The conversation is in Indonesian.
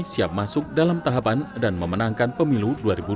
siap masuk dalam tahapan dan memenangkan pemilu dua ribu dua puluh